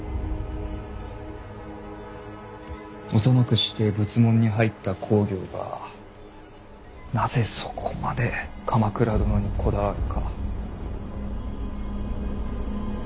幼くして仏門に入った公暁がなぜそこまで鎌倉殿にこだわるか。